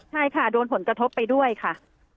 ใช่ค่ะโดนผลกระทบไปด้วยค่ะ